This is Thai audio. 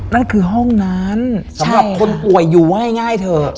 นั่นคือห้องนั้นสำหรับคนป่วยอยู่ว่าง่ายเถอะ